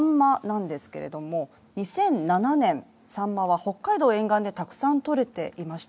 ２００７年、さんまは北海道沿岸でたくさん取れていました。